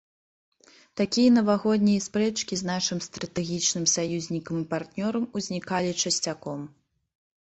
Такія навагоднія спрэчкі з нашым стратэгічным саюзнікам і партнёрам узнікалі часцяком.